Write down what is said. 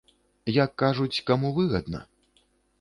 Як кажуць, каму выгадна?